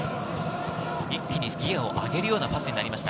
一気にギアを上げるようなパスになりました。